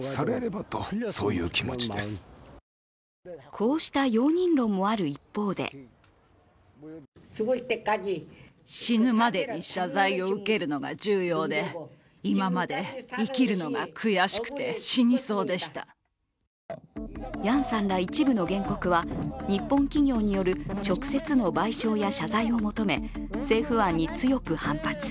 こうした容認論もある一方でヤンさんら一部の原告は日本企業による直接の賠償や謝罪を求め政府案に強く反発。